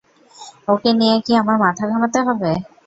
ওকে নিয়ে কি আমার মাথা ঘামাতে হবে?